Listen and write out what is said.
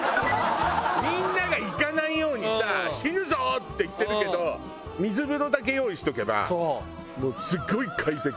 みんなが行かないようにさ「死ぬぞ！」って言ってるけど水風呂だけ用意しとけばもうすごい快適。